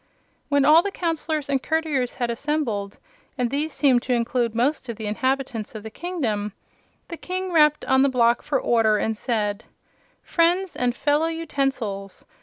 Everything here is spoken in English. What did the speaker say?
When all the Counselors and Courtiers had assembled and these seemed to include most of the inhabitants of the kingdom the King rapped on the block for order and said: "Friends and Fellow Utensils!